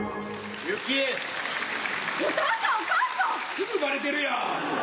すぐバレてるやん。